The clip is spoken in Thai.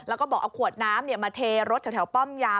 แล้วก็บอกเอาขวดน้ำมาเทรถแถวป้อมยาม